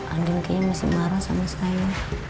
adil kayaknya masih marah sama saya